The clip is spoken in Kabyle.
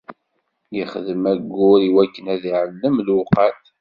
Ixdem ayyur iwakken ad iɛellem lewqat.